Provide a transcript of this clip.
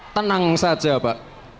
tenang saja pak